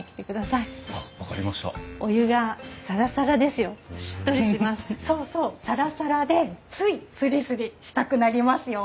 さらさらでついすりすりしたくなりますよ。